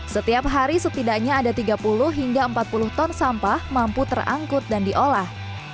setiap hari setidaknya ada tiga puluh hingga empat puluh ton sampah mampu terangkut dan diolah